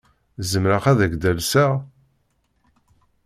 Zemreɣ ad ak-d-alseɣ?